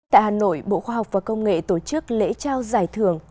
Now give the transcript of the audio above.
tại hà nội bộ khoa học và công nghệ tổ chức lễ trao giải thưởng